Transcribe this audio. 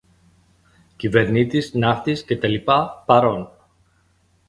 Κυβερνήτης, ναύτης και τα λοιπά, παρών!